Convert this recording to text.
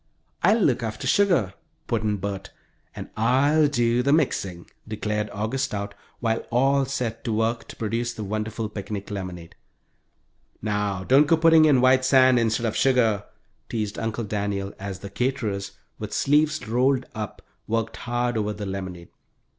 "I'll look after sugar," put in Bert. "And I'll do the mixing," declared August Stout, while all set to work to produce the wonderful picnic lemonade. "Now, don't go putting in white sand instead of sugar," teased Uncle Daniel, as the "caterers," with sleeves rolled up, worked hard over the lemonade.